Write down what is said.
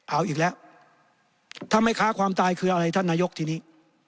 เอาอีกแล้วถ้าไม่ค้าความตายคืออะไรท่านนายกทีนี้